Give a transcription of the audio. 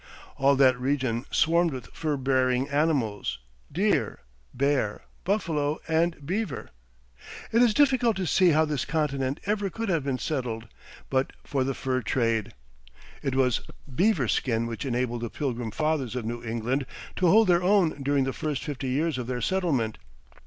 All that region swarmed with fur bearing animals, deer, bear, buffalo, and beaver. It is difficult to see how this continent ever could have been settled but for the fur trade. It was beaver skin which enabled the Pilgrim Fathers of New England to hold their own during the first fifty years of their settlement.